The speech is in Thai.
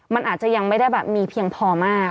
มันอาจจะยังไม่ได้แบบมีเพียงพอมาก